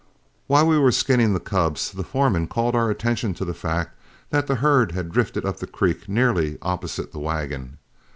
While we were skinning the cubs, the foreman called our attention to the fact that the herd had drifted up the creek nearly opposite the wagon.